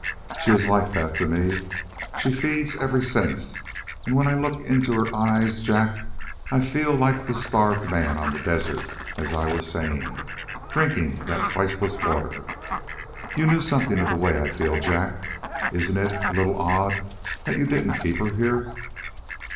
"She is like that to me. She feeds every sense; and when I look in her eyes, Jack, I feel like the starved man on the desert, as I was saying, drinking that priceless water. You knew something of the way I feel, Jack. Isn't it a little odd that you didn't keep her here?"